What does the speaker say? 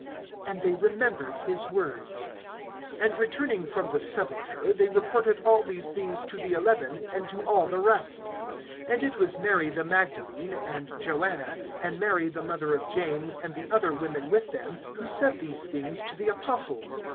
(8)And they remembered his words. (9)And returning from the sepulchre, they reported all these things to the eleven, and to all the rest. (10)And it was Mary the Magdalene, and Joanna, and Mary the mother of James, and the other women with them, who said these things to the apostles.